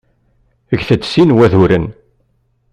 Get-d sin waduren.